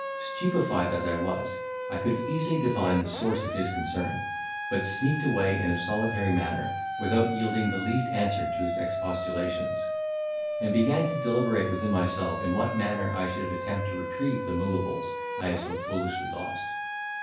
Stupified as I was, I could easily divine the source of his concern, but sneaked away in a solitary manner, without yielding the least answer to his expostulations; and began to deliberate within myself in what manner I should attempt to retrieve the movables I had so foolishly lost.